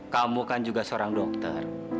kamu kan juga seorang dokter